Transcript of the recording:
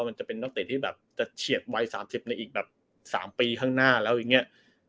มันจะเป็นนักเตะที่แบบจะเฉียดวัย๓๐ในอีกแบบ๓ปีข้างหน้าแล้วอย่างนี้